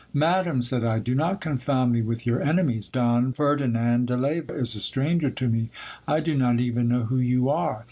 Madam, said I, do not confound me with your enemies. Don Ferdi nand de Leyva is a stranger to me ; I do not even know who you are.